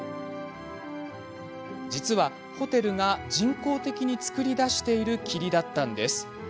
実はホテルが人工的に作り出している霧だったんです。